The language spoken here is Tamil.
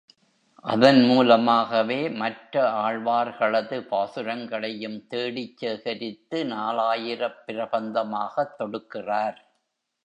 அதன் மூலமாகவே மற்ற ஆழ்வார்களது பாசுரங்களையும் தேடிச் சேகரித்து நாலாயிரப் பிரபந்தமாகத் தொடுக்கிறார்.